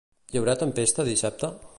Hi haurà tempesta dissabte?